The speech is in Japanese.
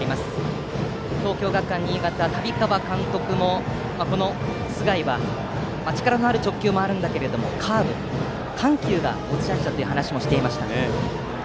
東京学館新潟、旅川監督も須貝は力のある直球もあるけどもカーブなどの緩急が持ち味だと話をしていました。